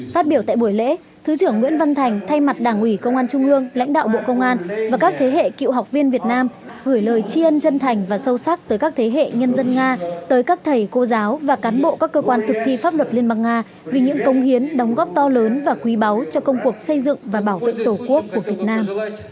phát biểu tại buổi lễ thứ trưởng nguyễn văn thành thay mặt đảng ủy công an trung ương lãnh đạo bộ công an và các thế hệ cựu học viên việt nam gửi lời chi ân chân thành và sâu sắc tới các thế hệ nhân dân nga tới các thầy cô giáo và cán bộ các cơ quan thực thi pháp luật liên bang nga vì những công hiến đóng góp to lớn và quý báu cho công cuộc xây dựng và bảo vệ tổ quốc của việt nam